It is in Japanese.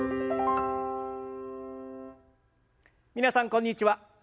皆さんこんにちは。